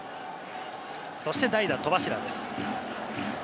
そして代打・戸柱です。